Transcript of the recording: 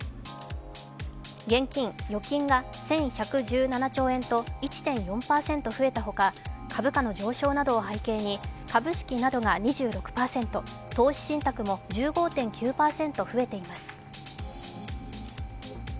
現金・預金が１１１７兆円と１．４％増えたほか株価の上昇など背景に株式などが２６％、投資信託も１５．９％増えています。